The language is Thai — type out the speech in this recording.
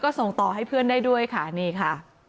ส่งต่อให้เพื่อนได้ด้วยค่ะนี่ค่ะ